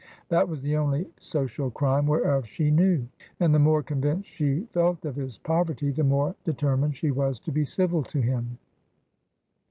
That was the only social crime whereof she knew. And the more convinced she felt of his poverty, the more deter mined she was to be civil to him.